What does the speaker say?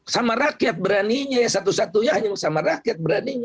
sama rakyat beraninya satu satunya hanya sama rakyat beraninya